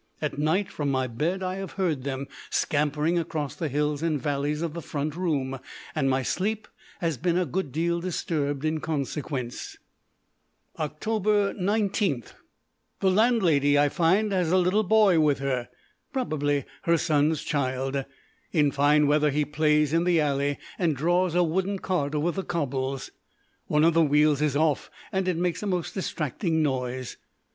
At night from my bed I have heard them scampering across the hills and valleys of the front room, and my sleep has been a good deal disturbed in consequence. Oct. 19. The landlady, I find, has a little boy with her, probably her son's child. In fine weather he plays in the alley, and draws a wooden cart over the cobbles. One of the wheels is off, and it makes a most distracting noise.